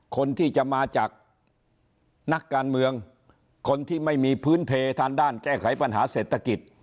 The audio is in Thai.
คนที่จะมาจากนักการเมืองคนที่ไม่มีพื้นเพทางด้านแก้ไขปัญหาเศรษฐกิจ